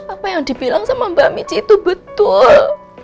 apa yang dibilang sama mbak mici itu betul